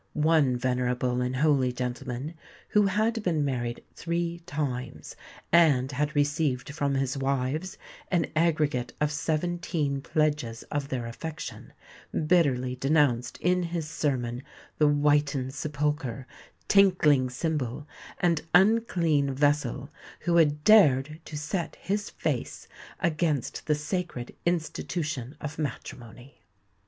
One venerable and holy gentleman, who had been married three times, and had received from his wives an aggregate of seventeen pledges of their affection, bitterly denounced in his sermon the "whitened sepulchre," "tinkling cymbal," and "unclean vessel," who had dared to set his face against the sacred institution of matrimony.